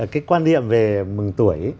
cái quan điểm về mừng tuổi